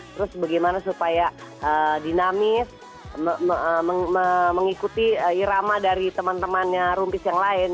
terus bagaimana supaya dinamis mengikuti irama dari teman temannya rumpis yang lain